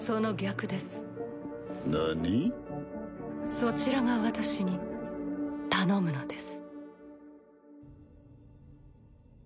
そちらが私に頼むのです。